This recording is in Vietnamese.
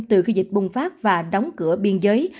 từ khi dịch bùng phát và đóng cửa biên giới